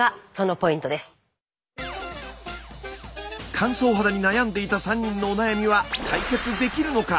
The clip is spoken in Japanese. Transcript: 乾燥肌に悩んでいた３人のお悩みは解決できるのか？